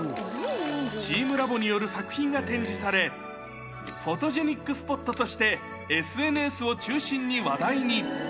チームラボによる作品が展示され、フォトジェニックスポットとしてＳＮＳを中心に話題に。